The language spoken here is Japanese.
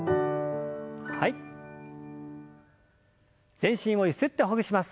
全身をゆすってほぐします。